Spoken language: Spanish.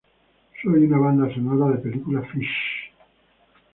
Soy una banda sonora de película Fish.